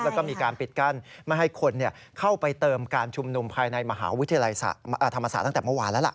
แล้วก็มีการปิดกั้นไม่ให้คนเข้าไปเติมการชุมนุมภายในมหาวิทยาลัยธรรมศาสตร์ตั้งแต่เมื่อวานแล้วล่ะ